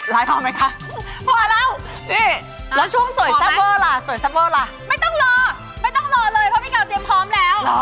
ไม่ต้องรอแควเมก่าเตรียมพร้อมแล้ว